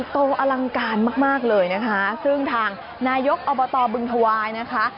โตอลังการมากมากเลยนะคะซึ่งทางนายกอบตบึงถวายนะคะ